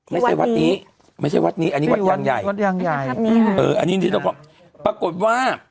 ไม่ใช่วัดนี้ไม่ใช่วัดนี้อันนี้วัดยางใหญ่วัดยางใหญ่วัดนี้ค่ะเอออันนี้ที่นครปรากฏว่า